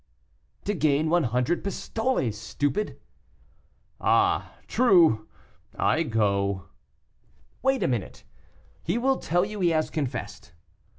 "To gain one hundred pistoles, stupid." "Ah! true; I go." "Wait a minute. He will tell you he has confessed."